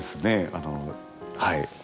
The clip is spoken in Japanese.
あのはい。